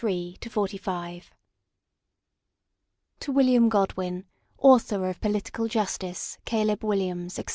1831 Back to Top TO WILLIAM GODWIN, AUTHOR OF POLITICAL JUSTICE, CALEB WILLIAMS, &C.